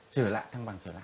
trở lại thăng bằng trở lại